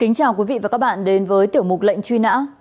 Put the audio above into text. kính chào quý vị và các bạn đến với tiểu mục lệnh truy nã